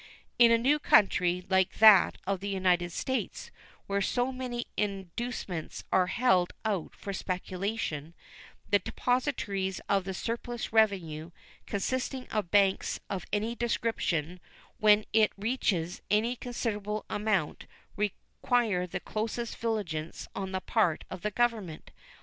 In a new country like that of the United States, where so many inducements are held out for speculation, the depositories of the surplus revenue, consisting of banks of any description, when it reaches any considerable amount, require the closest vigilance on the part of the Government.